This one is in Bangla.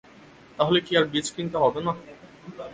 তাহলে কি আর বীজ কিনতে হবে না?